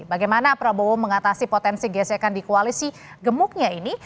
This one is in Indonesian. bagaimana prabowo mengatasi potensi gesekan di koalisi gemuknya ini